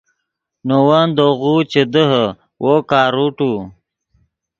نے ون دے غو چے دیہے وو کاروٹو